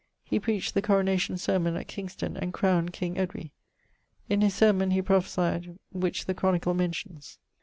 He preached the coronation sermon at Kingston, and crowned king . In his sermon he prophesyed, which the Chronicle mentions.